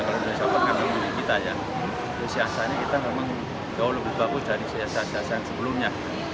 kalau indonesia open kan lebih baik kita ya dari siasatnya kita memang jauh lebih bagus dari siasat siasat sebelumnya